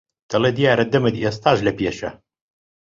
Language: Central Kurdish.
دەڵێ دیارە دەمت ئێستاش لەپێشە